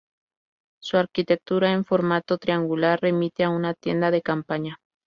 Su arquitectura en formato triangular remite a una tienda de campaña.